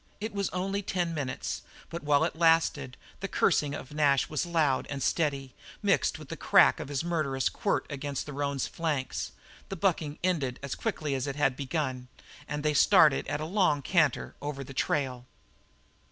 It was only ten minutes, but while it lasted the cursing of Nash was loud and steady, mixed with the crack of his murderous quirt against the roan's flanks. The bucking ended as quickly as it had begun, and they started at a long canter over the trail.